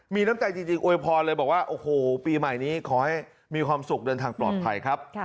มีน้ำใจจริงอวยพรเลยบอกว่าโอ้โหปีใหม่นี้ขอให้มีความสุขเดินทางปลอดภัยครับ